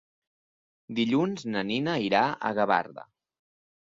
Dilluns na Nina irà a Gavarda.